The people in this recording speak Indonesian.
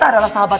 jadi udah dapet